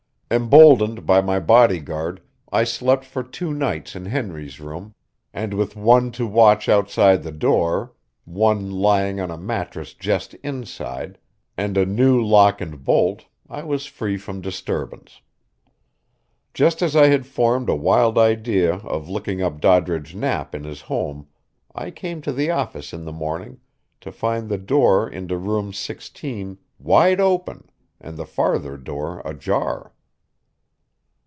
Emboldened by my body guard, I slept for two nights in Henry's room, and with one to watch outside the door, one lying on a mattress just inside, and a new lock and bolt, I was free from disturbance. Just as I had formed a wild idea of looking up Doddridge Knapp in his home, I came to the office in the morning to find the door into Room 16 wide open and the farther door ajar.